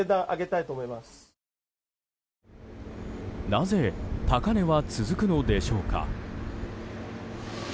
なぜ高値は続くのでしょうか。